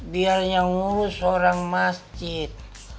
dia yang ngurus orang masjid